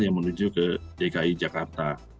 kalau di dki jakarta